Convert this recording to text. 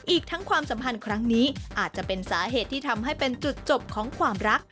อีกทั้งความสัมพันธ์ครั้งนี้อาจจะเป็นสาเหตุที่ทำให้เป็นจุดจบของความรัก